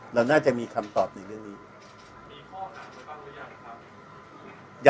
เราน่าจะมีคำตอบในเรื่องนี้มีข้อหาไว้บ้างหรือยังครับ